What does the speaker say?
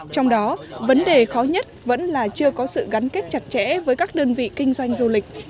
trong đó vấn đề khó nhất vẫn là chưa có sự gắn kết chặt chẽ với các đơn vị kinh doanh du lịch